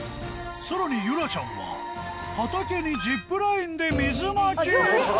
さらに優來ちゃんは畑にジップラインで水まき！